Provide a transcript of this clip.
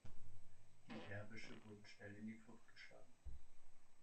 Die Derwische wurden schnell in die Flucht geschlagen.